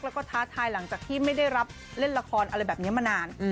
แล้วก็ท้าทายหลังจากที่ไม่ได้รับเล่นละครอะไรแบบนี้มานาน